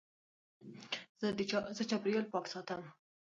زه چاپېریال پاک ساتم.